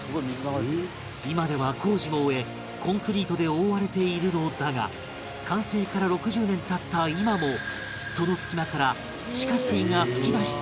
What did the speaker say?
今では工事も終えコンクリートで覆われているのだが完成から６０年経った今もその隙間から地下水が噴き出し続けている